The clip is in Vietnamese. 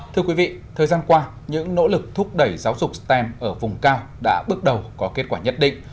thưa quý vị thời gian qua những nỗ lực thúc đẩy giáo dục stem ở vùng cao đã bước đầu có kết quả nhất định